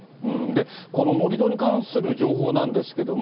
この盛り土に関する情報なんですけども。